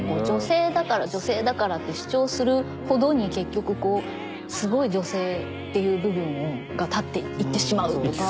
女性だから女性だからって主張するほどに結局こうすごい女性っていう部分が立っていってしまうとか。